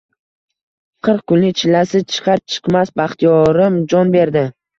Qirq kunlik chillasi chiqar–chiqmas Baxtiyorim jon berdi